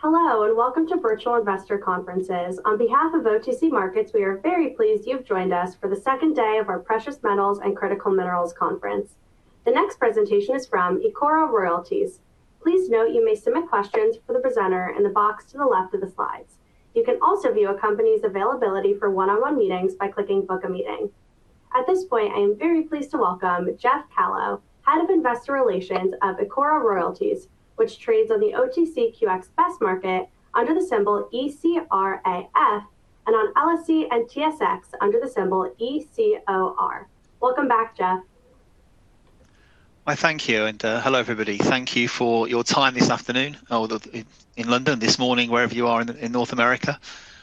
Hello, welcome to Virtual Investor Conferences. On behalf of OTC Markets, we are very pleased you've joined us for the second day of our Precious Metals & Critical Minerals Conference. The next presentation is from Ecora Royalties. Please note you may submit questions for the presenter in the box to the left of the slides. You can also view a company's availability for one-on-one meetings by clicking Book a Meeting. At this point, I am very pleased to welcome Geoff Callow, Head of Investor Relations of Ecora Royalties, which trades on the OTCQX Best Market under the symbol ECRAF and on LSE and TSX under the symbol ECOR. Welcome back, Geoff. Why, thank you, and hello, everybody. Thank you for your time this afternoon or in London, this morning, wherever you are in North America.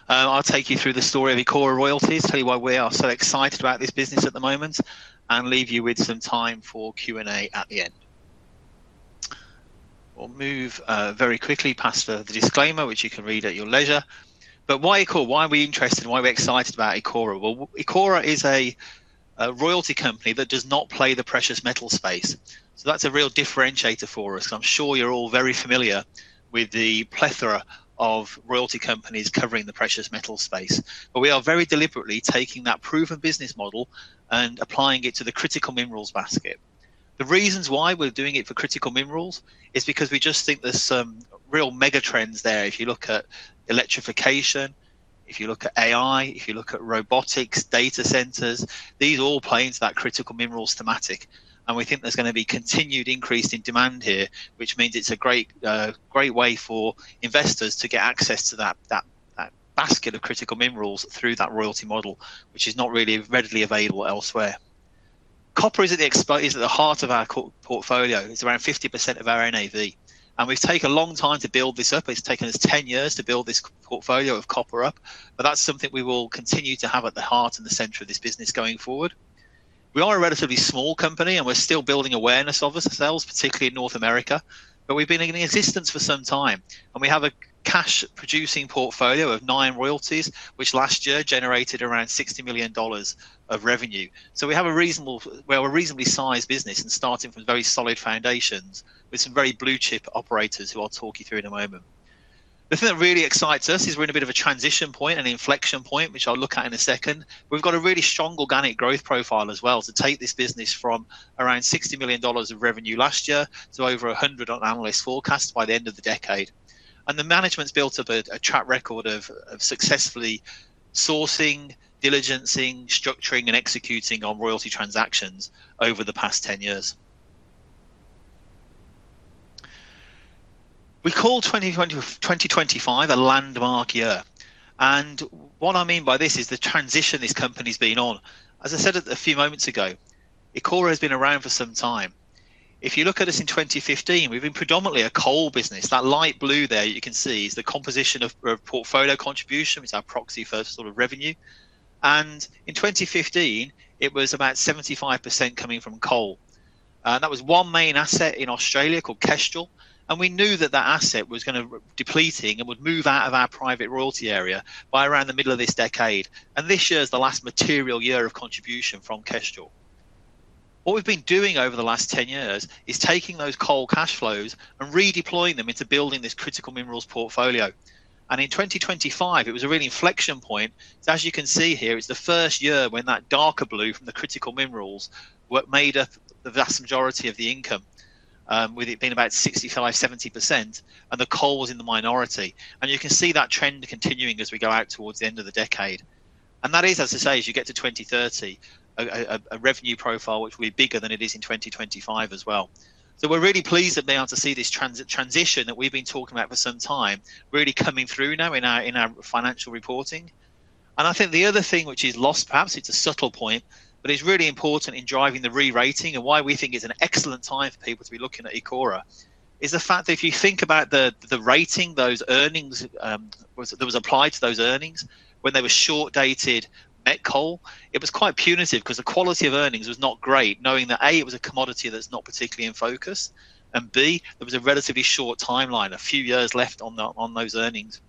I'll take you through the story of Ecora Royalties, tell you why we are so excited about this business at the moment, and leave you with some time for Q&A at the end. We'll move very quickly past the disclaimer, which you can read at your leisure. Why Ecora? Why are we interested? Why are we excited about Ecora? Well, Ecora is a royalty company that does not play the precious metal space, so that's a real differentiator for us. I'm sure you're all very familiar with the plethora of royalty companies covering the precious metal space. We are very deliberately taking that proven business model and applying it to the critical minerals basket. The reasons why we're doing it for critical minerals is because we just think there's some real megatrends there. If you look at electrification, if you look at AI, if you look at robotics, data centers, these all play into that critical minerals thematic. We think there's gonna be continued increase in demand here, which means it's a great way for investors to get access to that basket of critical minerals through that royalty model, which is not really readily available elsewhere. Copper is at the heart of our portfolio. It's around 50% of our NAV. We've taken a long time to build this up. It's taken us 10 years to build this portfolio of copper up. That's something we will continue to have at the heart and the center of this business going forward. We are a relatively small company, and we're still building awareness of us, ourselves, particularly in North America, but we've been in existence for some time. We have a cash producing portfolio of nine royalties, which last year generated around $60 million of revenue. Well, we're a reasonably sized business and starting from very solid foundations with some very blue chip operators who I'll talk you through in a moment. The thing that really excites us is we're in a bit of a transition point, an inflection point, which I'll look at in a second. We've got a really strong organic growth profile as well to take this business from around $60 million of revenue last year to over 100 on analyst forecast by the end of the decade. The management's built up a track record of successfully sourcing, diligencing, structuring, and executing on royalty transactions over the past 10 years. We call 2020-2025 a landmark year, and what I mean by this is the transition this company's been on. As I said a few moments ago, Ecora has been around for some time. If you look at us in 2015, we've been predominantly a coal business. That light blue there you can see is the composition of portfolio contribution. It's our proxy for sort of revenue. In 2015, it was about 75% coming from coal. That was one main asset in Australia called Kestrel, and we knew that that asset was gonna depleting and would move out of our private royalty area by around the middle of this decade. This year is the last material year of contribution from Kestrel. What we've been doing over the last 10 years is taking those coal cash flows and redeploying them into building this critical minerals portfolio. In 2025, it was a real inflection point. As you can see here, it's the first year when that darker blue from the critical minerals were made up the vast majority of the income, with it being about 65%, 70%, and the coal was in the minority. You can see that trend continuing as we go out towards the end of the decade. That is, as I say, as you get to 2030, a revenue profile which will be bigger than it is in 2025 as well. We're really pleased that now to see this transition that we've been talking about for some time really coming through now in our financial reporting. I think the other thing which is lost, perhaps it's a subtle point, but is really important in driving the re-rating and why we think it's an excellent time for people to be looking at Ecora, is the fact that if you think about the rating, those earnings was applied to those earnings when they were short-dated met coal, it was quite punitive 'cause the quality of earnings was not great, knowing that, A, it was a commodity that's not particularly in focus, and B, there was a relatively short timeline, a few years left on those earnings.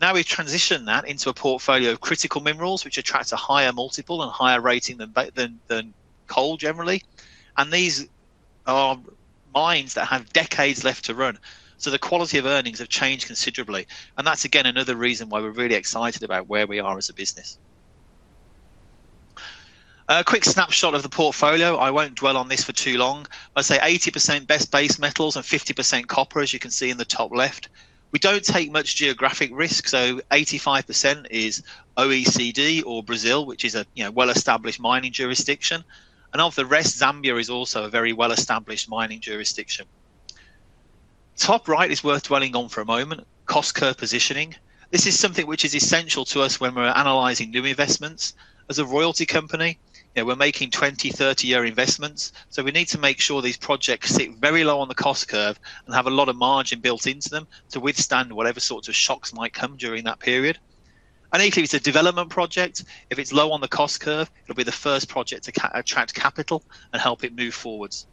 We've transitioned that into a portfolio of critical minerals, which attracts a higher multiple and higher rating than coal generally, these are mines that have decades left to run. The quality of earnings have changed considerably, that's again another reason why we're really excited about where we are as a business. A quick snapshot of the portfolio. I won't dwell on this for too long. I'd say 80% best base metals and 50% copper, as you can see in the top left. We don't take much geographic risk, 85% is OECD or Brazil, which is a, you know, well-established mining jurisdiction. Of the rest, Zambia is also a very well-established mining jurisdiction. Top right is worth dwelling on for a moment. Cost curve positioning. This is something which is essential to us when we're analyzing new investments. As a royalty company, you know, we're making 20, 30-year investments, so we need to make sure these projects sit very low on the cost curve and have a lot of margin built into them to withstand whatever sorts of shocks might come during that period. Equally, if it's a development project, if it's low on the cost curve, it'll be the first project to attract capital and help it move forwards.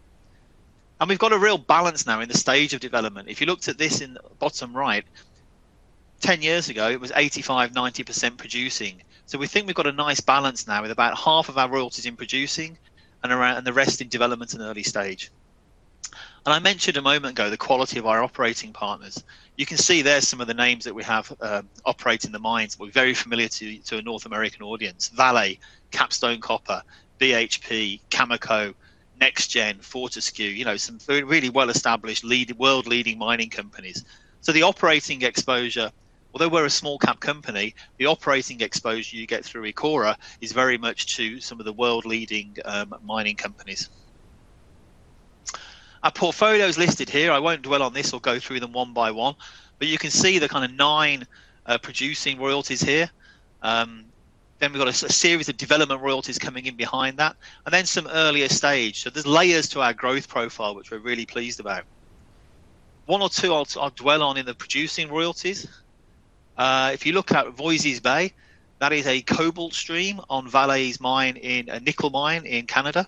We've got a real balance now in the stage of development. If you looked at this in bottom line 10 years ago it was 85%, 90% producing. We think we've got a nice balance now with about half of our royalties in producing and the rest in development and early stage. I mentioned a moment ago the quality of our operating partners. You can see there some of the names that we have, operating the mines were very familiar to a North American audience. Vale, Capstone Copper, BHP, Cameco, NexGen, Fortescue, you know, some really well-established leading world-leading mining companies. The operating exposure, although we're a small cap company, the operating exposure you get through Ecora is very much to some of the world-leading mining companies. Our portfolio is listed here. I won't dwell on this or go through them one by one. You can see the kind of nine producing royalties here. Then we've got a series of development royalties coming in behind that, and then some earlier stage. There's layers to our growth profile, which we're really pleased about. One or two I'll dwell on in the producing royalties. If you look at Voisey's Bay, that is a cobalt stream on Vale's mine in a nickel mine in Canada.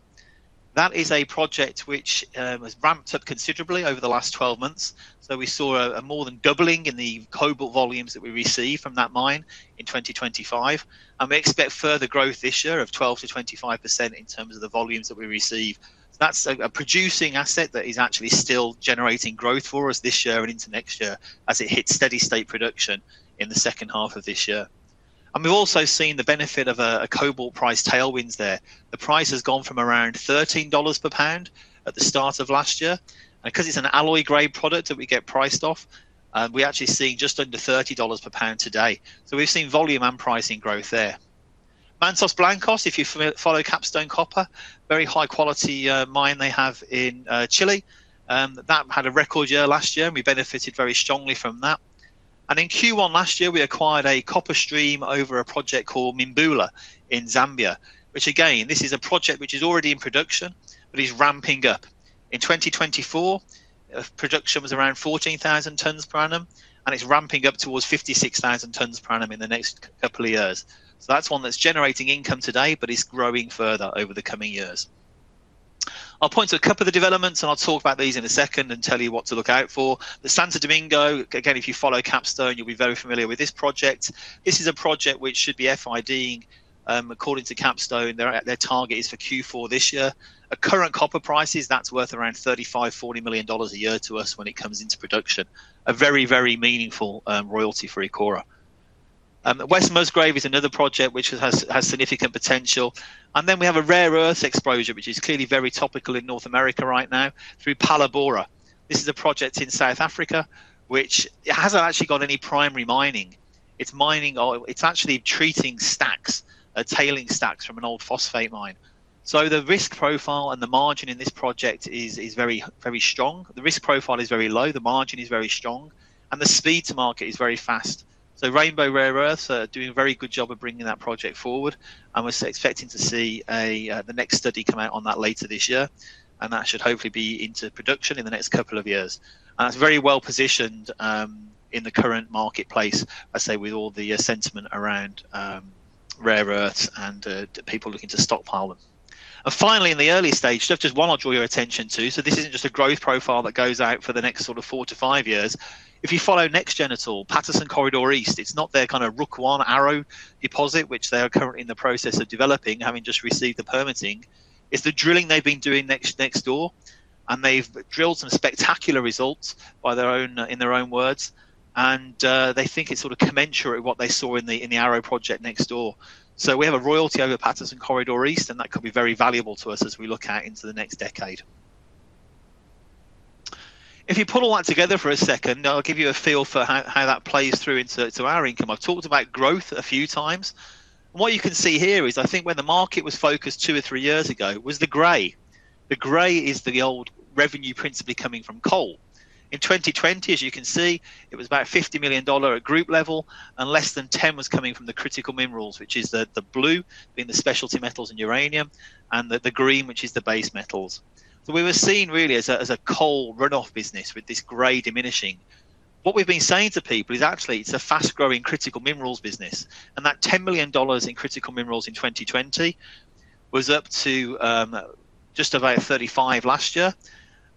That is a project which was ramped up considerably over the last 12 months. We saw a more than doubling in the cobalt volumes that we received from that mine in 2025, and we expect further growth this year of 12%-25% in terms of the volumes that we receive. That's a producing asset that is actually still generating growth for us this year and into next year as it hits steady state production in the second half of this year. We've also seen the benefit of a cobalt price tailwinds there. The price has gone from around $13 per pound at the start of last year. 'Cause it's an alloy grade product that we get priced off, we're actually seeing just under $30 per pound today. We've seen volume and pricing growth there. Mantos Blancos, if you follow Capstone Copper, very high quality mine they have in Chile. That had a record year last year, and we benefited very strongly from that. In Q1 last year, we acquired a copper stream over a project called Mimbula in Zambia, which again, this is a project which is already in production but is ramping up. In 2024, production was around 14,000 tons per annum, and it's ramping up towards 56,000 tons per annum in the next couple of years. That's one that's generating income today, but is growing further over the coming years. I'll point to a couple of developments, and I'll talk about these in a second and tell you what to look out for. The Santo Domingo, again, if you follow Capstone, you'll be very familiar with this project. This is a project which should be FID. According to Capstone, their target is for Q4 this year. At current copper prices, that's worth around $35 million-$40 million a year to us when it comes into production. A very, very meaningful royalty for Ecora. West Musgrave is another project which has significant potential. We have a rare earth exposure, which is clearly very topical in North America right now through Phalaborwa. This is a project in South Africa which it hasn't actually got any primary mining. It's mining or it's actually treating stacks, tailing stacks from an old phosphate mine. The risk profile and the margin in this project is very, very strong. The risk profile is very low, the margin is very strong, and the speed to market is very fast. Rainbow Rare Earths are doing a very good job of bringing that project forward, and we're expecting to see a the next study come out on that later this year. That should hopefully be into production in the next couple of years. It's very well-positioned in the current marketplace, I say, with all the sentiment around rare earths and people looking to stockpile them. Finally, in the early stage, just one I'll draw your attention to. This isn't just a growth profile that goes out for the next sort of four to five years. If you follow NexGen at all, Patterson Corridor East, it is not their kind of Rook I Arrow deposit, which they are currently in the process of developing, having just received the permitting. It is the drilling they have been doing next door, They have drilled some spectacular results by their own, in their own words. They think it is sort of commensurate what they saw in the Arrow project next door. We have a royalty over Patterson Corridor East, That could be very valuable to us as we look out into the next decade. If you put all that together for a second, I will give you a feel for how that plays through into our income. I have talked about growth a few times. What you can see here is I think where the market was focused two or three years ago was the gray. The gray is the old revenue principally coming from coal. In 2020, as you can see, it was about $50 million at group level, and less than $10 million was coming from the critical minerals, which is the blue being the Specialty Metals and Uranium, and the green, which is the Base Metals. We were seen really as a coal runoff business with this gray diminishing. What we've been saying to people is actually it's a fast-growing critical minerals business, and that $10 million in critical minerals in 2020 was up to just about $35 million last year.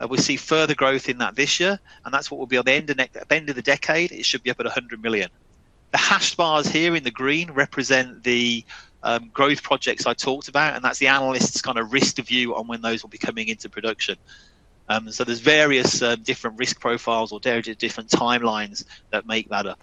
We see further growth in that this year, and that's what will be on the end of the decade, it should be up at $100 million. The hashed bars here in the green represent the growth projects I talked about, and that's the analysts' kind of risk view on when those will be coming into production. There's various different risk profiles or different timelines that make that up.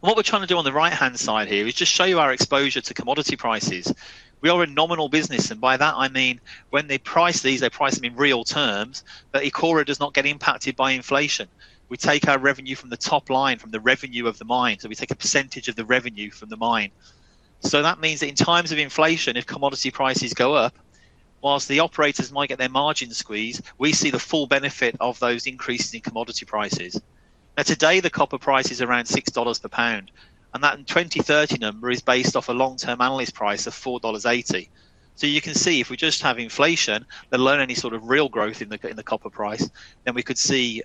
What we're trying to do on the right-hand side here is just show you our exposure to commodity prices. We are a nominal business, and by that I mean when they price these, they price them in real terms, but Ecora does not get impacted by inflation. We take our revenue from the top line, from the revenue of the mine, so we take a percentage of the revenue from the mine. That means that in times of inflation, if commodity prices go up, whilst the operators might get their margin squeezed, we see the full benefit of those increases in commodity prices. Today, the copper price is around $6 per pound, that 2030 number is based off a long-term analyst price of $4.80. You can see if we just have inflation, let alone any sort of real growth in the copper price, we could see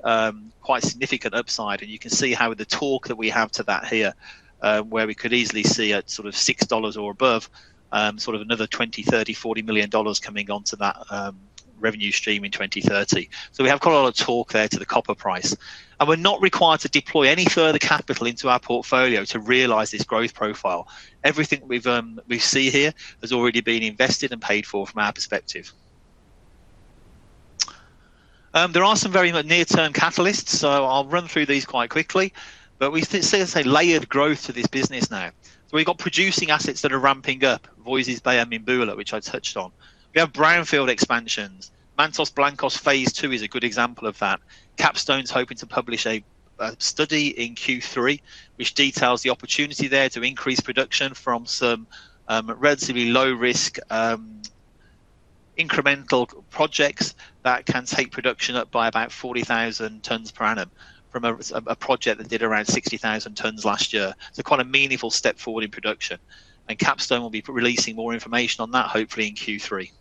quite significant upside. You can see how the talk that we have to that here, where we could easily see a sort of $6 or above, another $20 million, $30 million, $40 million coming onto that revenue stream in 2030. We have quite a lot of talk there to the copper price. We're not required to deploy any further capital into our portfolio to realize this growth profile. Everything we see here has already been invested and paid for from our perspective. There are some very near-term catalysts, I'll run through these quite quickly. We see, as I say, layered growth to this business now. We've got producing assets that are ramping up, Voisey's Bay and Mimbula, which I touched on. We have brownfield expansions. Mantos Blancos Phase II is a good example of that. Capstone's hoping to publish a study in Q3 which details the opportunity there to increase production from some relatively low risk incremental projects that can take production up by about 40,000 tons per annum from a project that did around 60,000 tons last year. Quite a meaningful step forward in production, and Capstone will be releasing more information on that hopefully in Q3.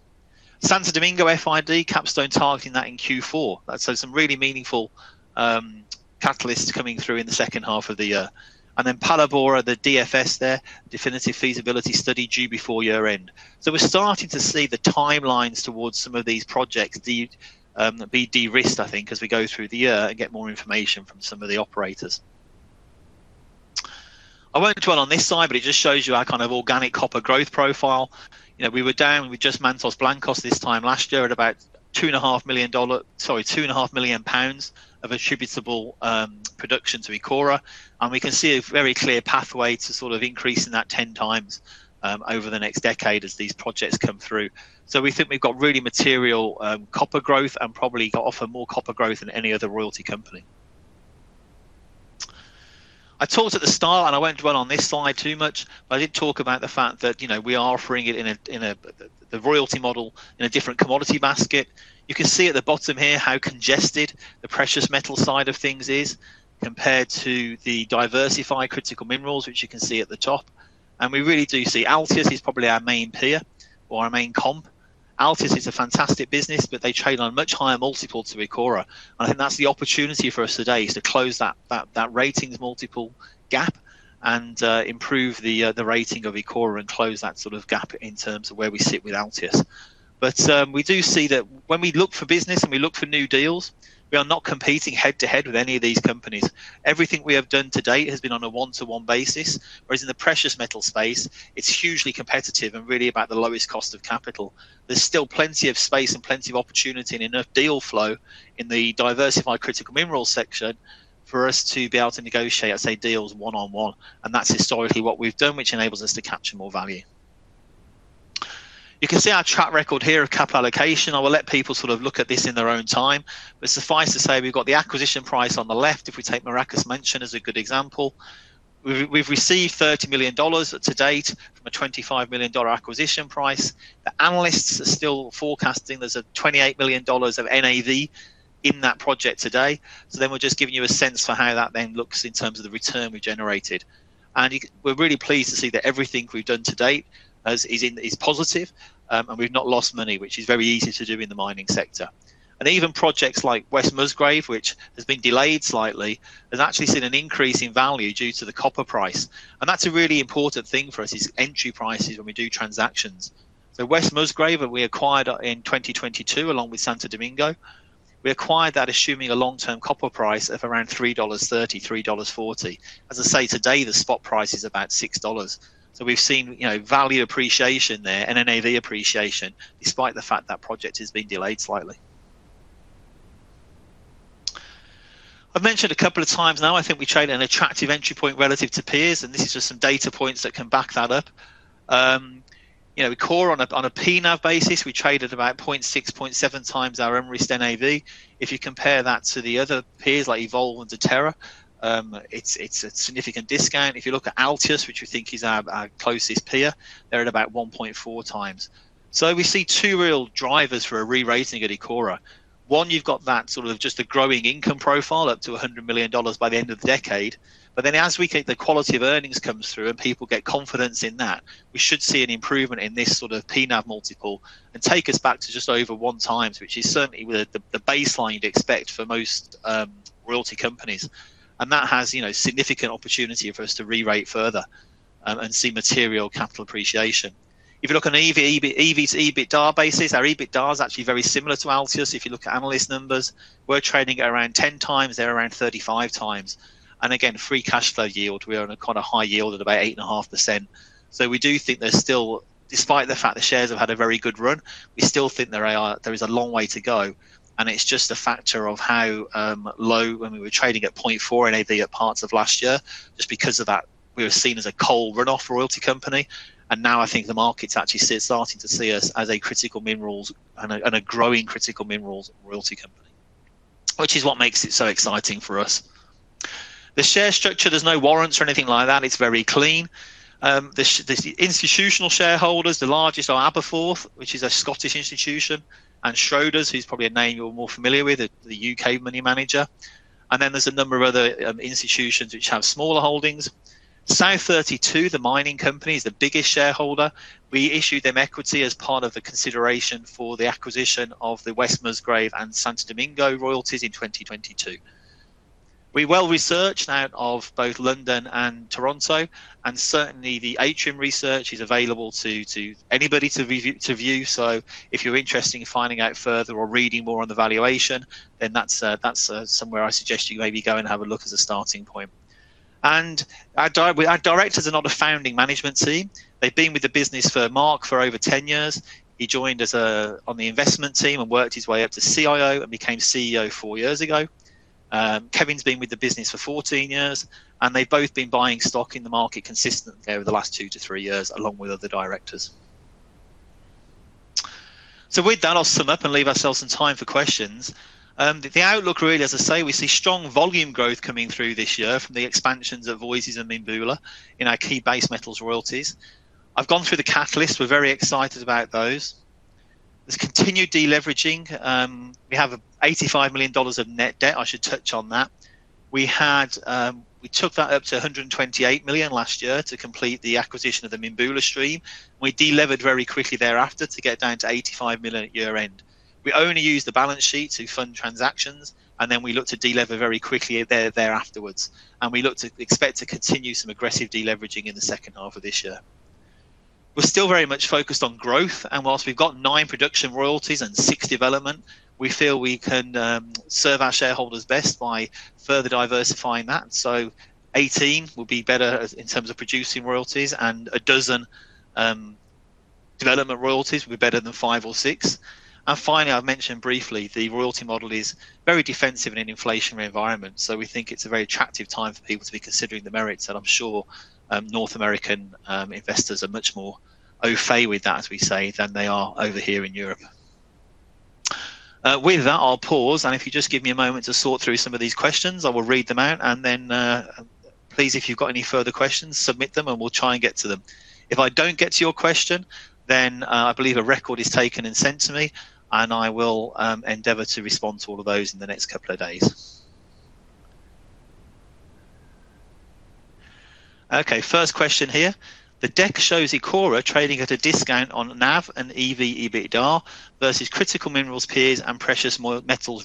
Santo Domingo FID, Capstone targeting that in Q4. Some really meaningful catalysts coming through in the second half of the year. Phalaborwa, the DFS there, definitive feasibility study due before year-end. We're starting to see the timelines towards some of these projects be de-risked, I think, as we go through the year and get more information from some of the operators. I won't dwell on this slide, it just shows you our kind of organic copper growth profile. You know, we were down with just Mantos Blancos this time last year at about 2.5 million pounds of attributable production to Ecora Royalties. We can see a very clear pathway to sort of increasing that 10xover the next decade as these projects come through. We think we've got really material copper growth and probably offer more copper growth than any other royalty company. I talked at the start, and I won't dwell on this slide too much, but I did talk about the fact that, you know, we are offering it in a, in a royalty model in a different commodity basket. You can see at the bottom here how congested the precious metal side of things is compared to the diversified critical minerals, which you can see at the top. We really do see Altius is probably our main peer or our main comp. Altius is a fantastic business, but they trade on a much higher multiple to Ecora. I think that's the opportunity for us today, is to close that ratings multiple gap and improve the rating of Ecora and close that sort of gap in terms of where we sit with Altius. We do see that when we look for business and we look for new deals, we are not competing head-to-head with any of these companies. Everything we have done to date has been on a one-to-one basis, whereas in the precious metal space, it's hugely competitive and really about the lowest cost of capital. There's still plenty of space and plenty of opportunity and enough deal flow in the diversified critical minerals section for us to be able to negotiate, I say, deals one-on-one, and that's historically what we've done, which enables us to capture more value. You can see our track record here of capital allocation. I will let people sort of look at this in their own time. Suffice to say, we've got the acquisition price on the left, if we take Maracás Menchen as a good example. We've received $30 million to date from a $25 million acquisition price. The analysts are still forecasting there's $28 million of NAV in that project today. We're just giving you a sense for how that then looks in terms of the return we generated. You we're really pleased to see that everything we've done to date is positive, and we've not lost money, which is very easy to do in the mining sector. Even projects like West Musgrave, which has been delayed slightly, has actually seen an increase in value due to the copper price. That's a really important thing for us, is entry prices when we do transactions. West Musgrave we acquired in 2022 along with Santo Domingo. We acquired that assuming a long-term copper price of around $3.30, $3.40. As I say, today, the spot price is about $6. We've seen, you know, value appreciation there and NAV appreciation despite the fact that project has been delayed slightly. I've mentioned a couple of times now, I think we trade at an attractive entry point relative to peers, this is just some data points that can back that up. You know, Ecora on a P/NAV basis, we trade at about 0.6x, 0.7x our risked NAV. If you compare that to the other peers like Evolve and Deterra, it's a significant discount. If you look at Altius, which we think is our closest peer, they're at about 1.4x. We see two real drivers for a re-rating at Ecora. One, you've got that sort of just a growing income profile, up to $200 million by the end of the decade. As we think the quality of earnings comes through and people get confidence in that, we should see an improvement in this sort of P/NAV multiple and take us back to just over 1x, which is certainly the baseline you'd expect for most royalty companies. That has, you know, significant opportunity for us to re-rate further and see material capital appreciation. If you look on an EV/EBITDA basis, our EBITDA is actually very similar to Altius. If you look at analyst numbers, we're trading at around 10x, they're around 35x. Again, free cash flow yield, we are on a kind of high yield at about 8.5%. We do think there's still despite the fact the shares have had a very good run, we still think there is a long way to go. It's just a factor of how low when we were trading at 0.4 NAV at parts of last year, just because of that we were seen as a coal runoff royalty company. Now I think the market's actually starting to see us as a critical minerals and a growing critical minerals royalty company, which is what makes it so exciting for us. The share structure, there's no warrants or anything like that. It's very clean. The institutional shareholders, the largest are Aberforth, which is a Scottish institution, and Schroder, who's probably a name you're more familiar with, the U.K. money manager. There's a number of other institutions which have smaller holdings. South32, the mining company, is the biggest shareholder. We issued them equity as part of the consideration for the acquisition of the West Musgrave and Santo Domingo royalties in 2022. We're well-researched out of both London and Toronto, and certainly the Atrium Research is available to anybody to view. If you're interested in finding out further or reading more on the valuation, then that's somewhere I suggest you maybe go and have a look as a starting point. Our Directors are not a founding management team. They've been with the business for Marc for over 10 years. He joined on the investment team and worked his way up to CIO and became CEO four years ago. Kevin's been with the business for 14 years, and they've both been buying stock in the market consistently over the last two to three years, along with other directors. I'll sum up and leave ourselves some time for questions. The outlook really, as I say, we see strong volume growth coming through this year from the expansions of Voisey's and Mimbula in our key Base Metals royalties. I've gone through the catalysts. We're very excited about those. There's continued de-leveraging. We have $85 million of net debt. I should touch on that. We took that up to $128 million last year to complete the acquisition of the Mimbula stream. We de-levered very quickly thereafter to get down to $85 million at year-end. We only use the balance sheet to fund transactions, then we look to de-lever very quickly there afterwards. We look to expect to continue some aggressive de-leveraging in the second half of this year. We're still very much focused on growth, whilst we've got nine production royalties and six development, we feel we can serve our shareholders best by further diversifying that. 18 will be better as in terms of producing royalties and 12 development royalties will be better than five or six. Finally, I've mentioned briefly the royalty model is very defensive in an inflationary environment. We think it's a very attractive time for people to be considering the merits, and I'm sure North American investors are much more au fait with that, as we say, than they are over here in Europe. With that, I'll pause. If you just give me a moment to sort through some of these questions, I will read them out. Please, if you've got any further questions, submit them, and we'll try and get to them. If I don't get to your question, then, I believe a record is taken and sent to me, and I will endeavor to respond to all of those in the next couple of days. First question here: The deck shows Ecora trading at a discount on NAV and EV/EBITDA versus critical metals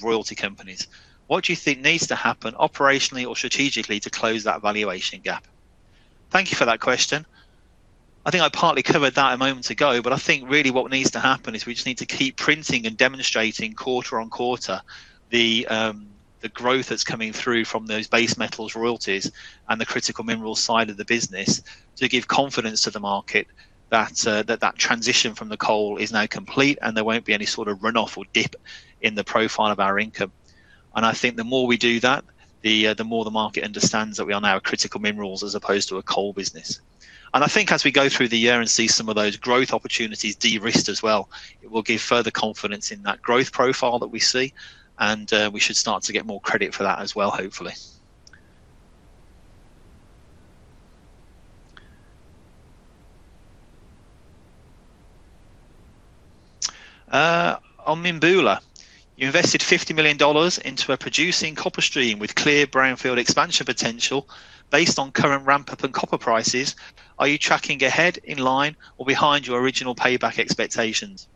royalty companies. What do you think needs to happen operationally or strategically to close that valuation gap? Thank you for that question. I think I partly covered that a moment ago, but I think really what needs to happen is we just need to keep printing and demonstrating quarter-on-quarter the growth that's coming through from those Base Metals royalties and the critical minerals side of the business to give confidence to the market that the transition from the coal is now complete and there won't be any sort of runoff or dip in the profile of our income. I think the more we do that, the more the market understands that we are now a critical minerals as opposed to a coal business. I think as we go through the year and see some of those growth opportunities de-risked as well, it will give further confidence in that growth profile that we see, and we should start to get more credit for that as well, hopefully. On Mimbula, you invested $50 million into a producing copper stream with clear brownfield expansion potential based on current ramp-up and copper prices. Are you tracking ahead, in line, or behind your original payback expectations?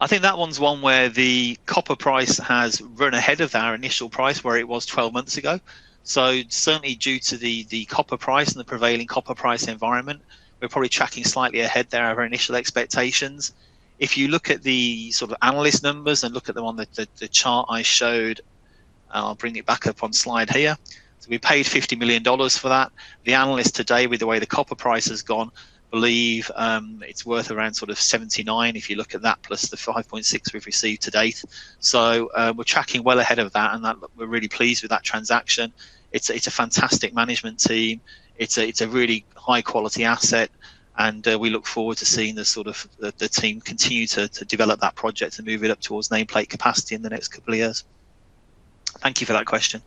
I think that one's one where the copper price has run ahead of our initial price where it was 12 months ago. Certainly due to the copper price and the prevailing copper price environment, we're probably tracking slightly ahead there of our initial expectations. If you look at the sort of analyst numbers and look at the one that, the chart I showed, I'll bring it back up on slide here. We paid $50 million for that. The analyst today, with the way the copper price has gone, believe it's worth around $79 million if you look at that, plus the $5.6 million we've received to date. We're tracking well ahead of that, and that we're really pleased with that transaction. It's a fantastic management team. It's a really high-quality asset, and we look forward to seeing the sort of the team continue to develop that project and move it up towards nameplate capacity in the next couple of years. Thank you for that question.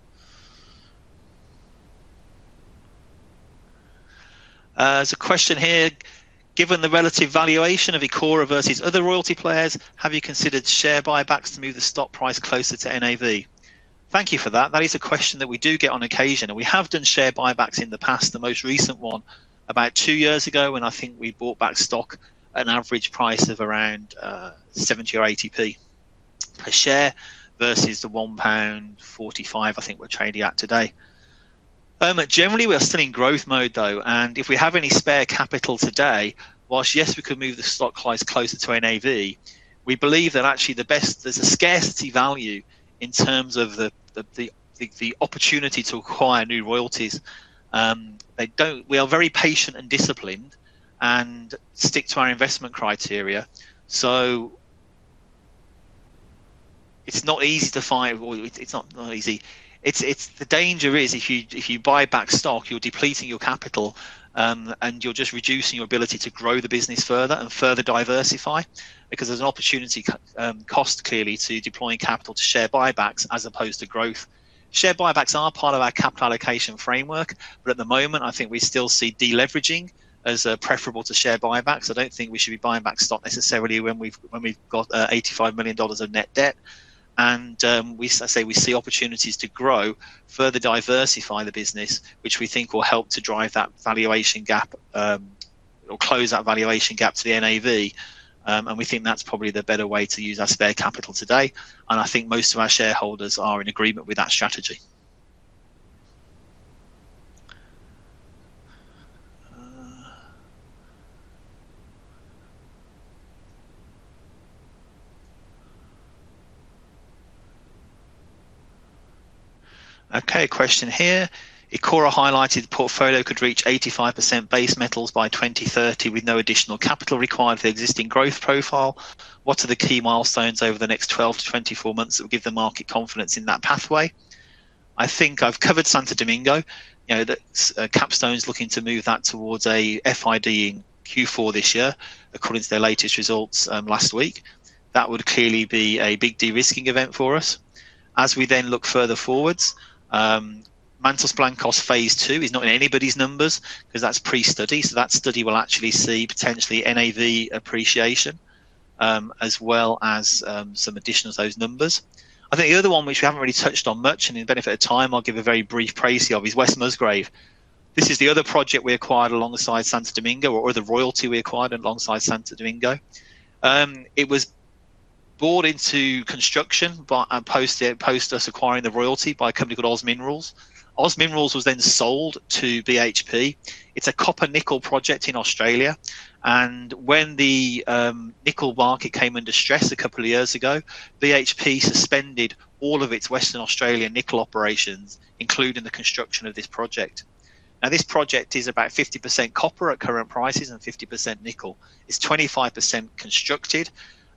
There's a question here: Given the relative valuation of Ecora versus other royalty players, have you considered share buybacks to move the stock price closer to NAV? Thank you for that. That is a question that we do get on occasion. We have done share buybacks in the past. The most recent one about two years ago when I think we bought back stock at an average price of around 0.70 or 0.80 per share versus the 1.45 pound I think we're trading at today. Generally we are still in growth mode though, and if we have any spare capital today, whilst yes, we could move the stock price closer to NAV, we believe that actually there's a scarcity value in terms of the opportunity to acquire new royalties. We are very patient and disciplined and stick to our investment criteria. It's not easy to find. It's not easy. It's the danger is if you buy back stock, you're depleting your capital, and you're just reducing your ability to grow the business further and further diversify because there's an opportunity cost clearly to deploying capital to share buybacks as opposed to growth. Share buybacks are part of our capital allocation framework, at the moment I think we still see de-leveraging as preferable to share buybacks. I don't think we should be buying back stock necessarily when we've got $85 million of net debt. As I say, we see opportunities to grow, further diversify the business, which we think will help to drive that valuation gap, or close that valuation gap to the NAV. We think that's probably the better way to use our spare capital today, and I think most of our shareholders are in agreement with that strategy. Okay, a question here: Ecora highlighted portfolio could reach 85% Base Metals by 2030 with no additional capital required for the existing growth profile. What are the key milestones over the next 12-24 months that will give the market confidence in that pathway? I think I've covered Santo Domingo. You know, that's Capstone's looking to move that towards a FID in Q4 this year according to their latest results last week. That would clearly be a big de-risking event for us. As we then look further forwards, Mantos Blancos Phase II is not in anybody's numbers 'cause that's pre-study, that study will actually see potentially NAV appreciation, as well as some additions of those numbers. I think the other one which we haven't really touched on much, in benefit of time I'll give a very brief precis of is West Musgrave. This is the other project we acquired alongside Santo Domingo or the royalty we acquired alongside Santo Domingo. It was bought into construction by and post us acquiring the royalty by a company called OZ Minerals. OZ Minerals was sold to BHP. It's a copper nickel project in Australia. When the nickel market came under stress two years ago, BHP suspended all of its Western Australian nickel operations, including the construction of this project. This project is about 50% copper at current prices and 50% nickel. It's 25% constructed,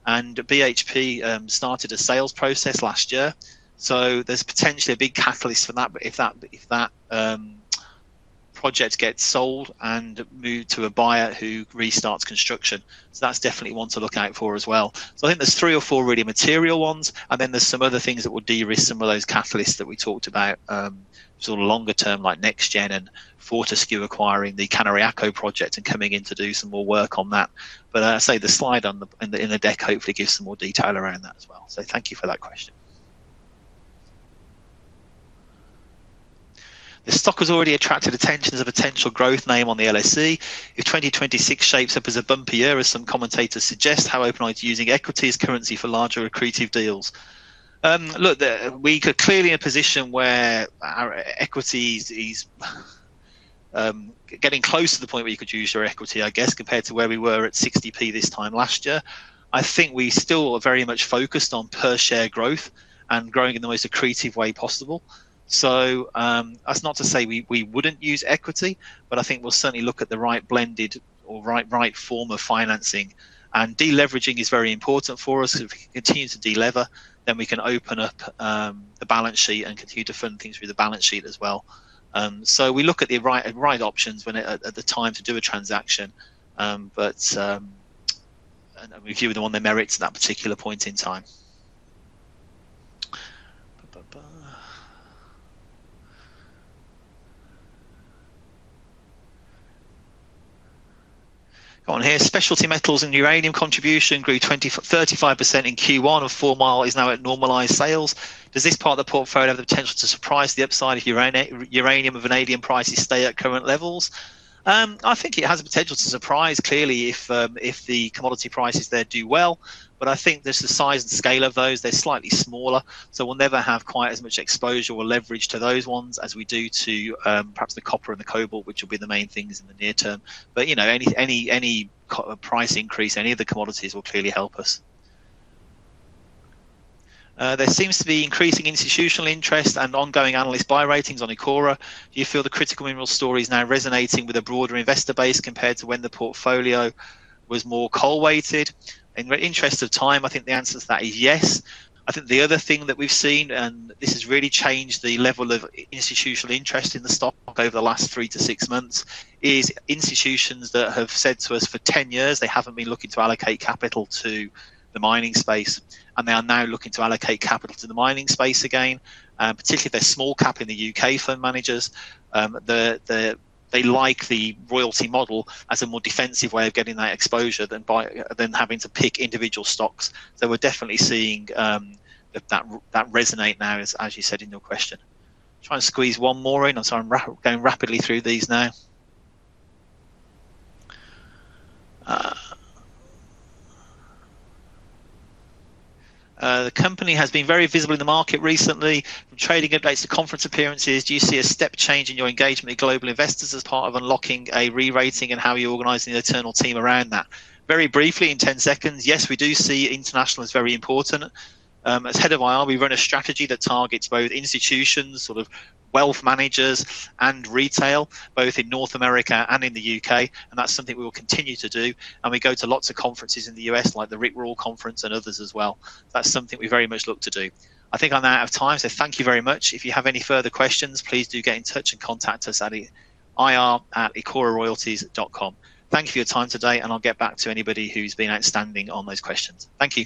and BHP started a sales process last year. There's potentially a big catalyst for that, but if that project gets sold and moved to a buyer who restarts construction. That's definitely one to look out for as well. I think there's 3 or 4 really material ones, and then there's some other things that will de-risk some of those catalysts that we talked about, sort of longer term like NexGen and Fortescue acquiring the Cañariaco project and coming in to do some more work on that. As I say, the slide in the deck hopefully gives some more detail around that as well. Thank you for that question. The stock has already attracted attention as a potential growth name on the LSE. If 2026 shapes up as a bumpier as some commentators suggest, how open are you to using equity as currency for larger accretive deals? We're clearly in a position where our equity is getting close to the point where you could use your equity, I guess, compared to where we were at 60p this time last year. I think we still are very much focused on per share growth and growing in the most accretive way possible. That's not to say we wouldn't use equity, but I think we'll certainly look at the right blended or right form of financing. De-leveraging is very important for us. We can continue to de-lever, then we can open up the balance sheet and continue to fund things through the balance sheet as well. We look at the right options when at the time to do a transaction. Review them on their merits at that particular point in time. Go on here. Specialty Metals and Uranium contribution grew 35% in Q1, of which Four Mile is now at normalized sales. Does this part of the portfolio have the potential to surprise the upside if uranium and vanadium prices stay at current levels? I think it has the potential to surprise, clearly, if the commodity prices there do well. I think just the size and scale of those, they're slightly smaller, so we'll never have quite as much exposure or leverage to those ones as we do to, perhaps the copper and the cobalt, which will be the main things in the near term. You know, any price increase, any of the commodities will clearly help us. There seems to be increasing institutional interest and ongoing analyst buy ratings on Ecora. Do you feel the critical minerals story is now resonating with a broader investor base compared to when the portfolio was more coal-weighted? In the interest of time, I think the answer to that is yes. I think the other thing that we've seen, this has really changed the level of institutional interest in the stock over the last three to six months, is institutions that have said to us for 10 years they haven't been looking to allocate capital to the mining space, they are now looking to allocate capital to the mining space again. Particularly the small cap in the U.K. fund managers. They like the royalty model as a more defensive way of getting that exposure than having to pick individual stocks. We're definitely seeing that resonate now, as you said in your question. Try and squeeze one more in. I'm sorry, I'm going rapidly through these now. The company has been very visible in the market recently from trading updates to conference appearances. Do you see a step change in your engagement with global investors as part of unlocking a re-rating, and how are you organizing the internal team around that? Very briefly, in 10 seconds, yes, we do see international as very important. As Head of IR, we run a strategy that targets both institutions, sort of wealth managers and retail, both in North America and in the U.K., and that's something we will continue to do, and we go to lots of conferences in the U.S., like the Rule Conference and others as well. That's something we very much look to do. I think I'm now out of time, thank you very much. If you have any further questions, please do get in touch and contact us at ir@ecoraroyalties.com. Thank you for your time today, I'll get back to anybody who's been outstanding on those questions. Thank you.